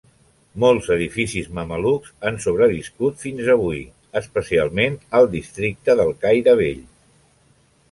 Molts edificis mamelucs han sobreviscut fins avui, especialment al districte del Caire Vell.